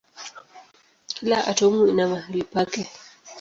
Kila atomu ina mahali pake.